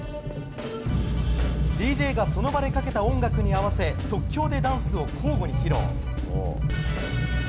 ＤＪがその場でかけた音楽に合わせ即興でダンスを交互に披露。